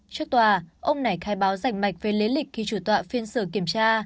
trước tòa ông này khai báo rảnh mạch về lý lịch khi chủ tọa phiên sửa kiểm tra